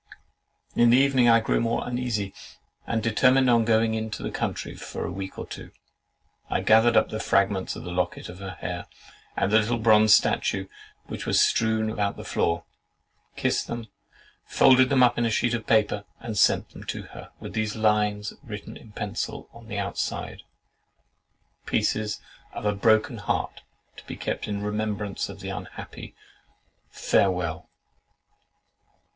In the evening I grew more uneasy, and determined on going into the country for a week or two. I gathered up the fragments of the locket of her hair, and the little bronze statue, which were strewed about the floor, kissed them, folded them up in a sheet of paper, and sent them to her, with these lines written in pencil on the outside—"Pieces of a broken heart, to be kept in remembrance of the unhappy. Farewell."